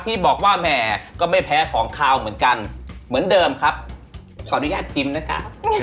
ที่บอกว่าแหมก็ไม่แพ้ของขาวเหมือนกันเหมือนเดิมครับขออนุญาตชิมนะคะ